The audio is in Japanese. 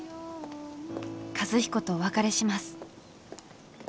和彦とお別れします。